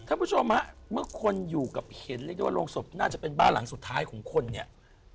ท่านผู้ชมไฮะเมื่อคนอยู่กลับเห็นเรียกได้ว่าโรงศพน่าจะเป็นบ้านหลังสุดท้าย